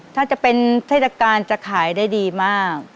ถ้าจะเป็นเทศกาลจะขายได้ดีมาก